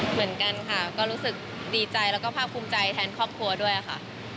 เหมือนกันค่ะก็รู้สึกดีใจและความคุมใจทานครอบครัวด้วยค่ะ